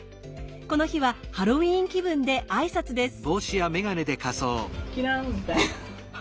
この日はハロウィーン気分で挨拶です。